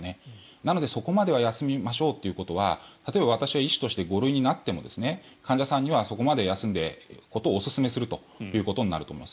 なので、そこまでは休みましょうということは例えば、私は医師として５類になっても患者さんにはそこまで休むことをおすすめするということになると思います。